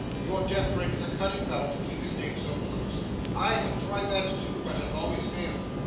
Your deaf friend is a cunning fellow to keep his name so close. I have tried that too, but have always failed.